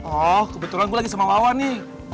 oh kebetulan gue lagi sama lawan nih